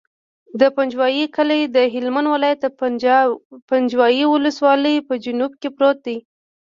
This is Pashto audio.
د پنجوایي کلی د هلمند ولایت، پنجوایي ولسوالي په جنوب کې پروت دی.